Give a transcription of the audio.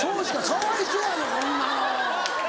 かわいそうやろこんなの。